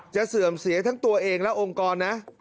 เสื่อมเสียทั้งตัวเองและองค์กรนะ